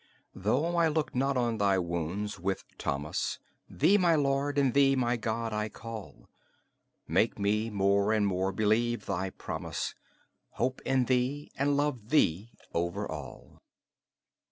... Though I look not on thy wounds with Thomas, Thee, my Lord, and thee, my God, I call: Make me more and more believe thy promise, Hope in thee, and love thee over all.